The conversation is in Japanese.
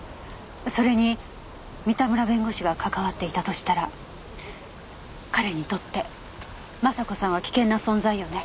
それに三田村弁護士が関わっていたとしたら彼にとって雅子さんは危険な存在よね？